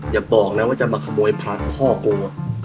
อย่าบอกนะว่าจะมาขโมยผักพ่อกู